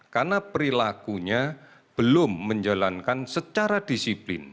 karena perilakunya belum menjalankan secara disiplin